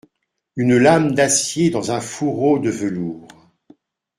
Une lame d'acier dans un fourreau de velours !